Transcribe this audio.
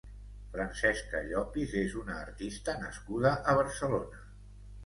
Francesca Llopis és una artista nascuda a Barcelona.